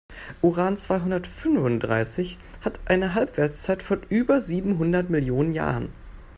Uran-zweihundertfünfunddreißig hat eine Halbwertszeit von über siebenhundert Millionen Jahren.